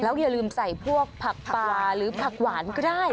อย่าลืมใส่พวกผักปลาหรือผักหวานก็ได้